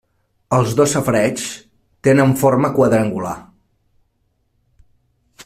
Els dos safareigs tenen forma quadrangular.